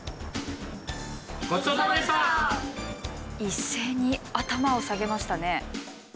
一斉に頭を下げましたね。